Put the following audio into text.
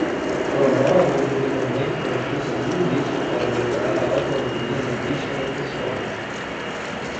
Promove o desenvolvimento de recursos linguísticos para melhorar a autonomia linguística do pessoal.